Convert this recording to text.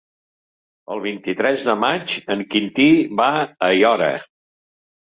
El vint-i-tres de maig en Quintí va a Aiora.